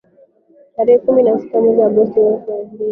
tarehe kumi na sita mwezi Agosti elfu mbili na tatu